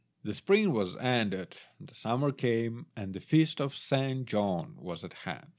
The spring was ended, the summer came, and the feast of Saint John was at hand.